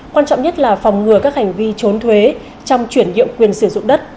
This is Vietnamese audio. quan trọng nhất là phòng ngừa các hành vi trốn thuế trong chuyển nhượng quyền sử dụng đất